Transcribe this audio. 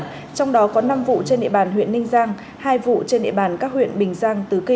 trong đó có năm vụ trên địa bàn huyện ninh giang hai vụ trên địa bàn các huyện bình giang tứ kỳ